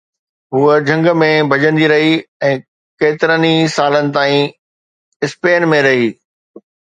هوءَ جهنگ ۾ ڀڄندي رهي ۽ ڪيترن سالن تائين اسپين ۾ رهي